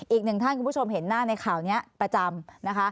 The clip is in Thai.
อีกหนึ่งท่านคุณผู้ชมเห็นหน้าในข่าวนี้ประจำนะคะ